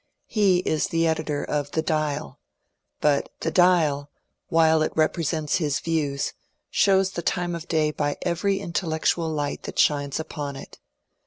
He is the editor of " The Dial," but « The Dial," while it represents his views, shows the time of day by every intellectu^ light that shines upon it.